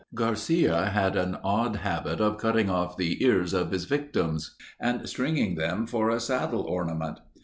Garcia had an odd habit of cutting off the ears of his victims and stringing them for a saddle ornament.